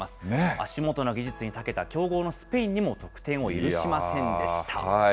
足元の技術にたけた強豪のスペインにも、得点を許しませんでした。